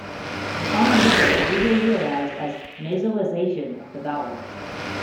The final nasal is usually realised as nasalisation of the vowel.